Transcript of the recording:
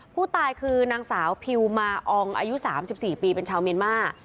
ผู้ตายคือนางสาวพิวมาอองอายุ๓๔ปีเป็นชาวเมียนมา